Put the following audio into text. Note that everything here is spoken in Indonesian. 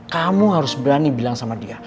kamu harus berani bilang sama dia